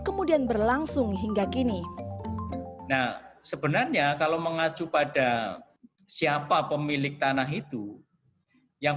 kemudian berlangsung hingga kini nah sebenarnya kalau mengacu pada siapa pemilik tanah itu yang